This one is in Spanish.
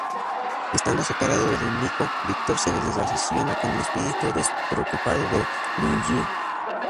Estando separado de Nico, Victor se relaciona con el espíritu despreocupado de Lillie.